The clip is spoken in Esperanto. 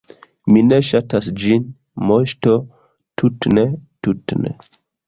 “Mi ne ŝatas ĝin, Moŝto, tut’ ne, tut’ ne!”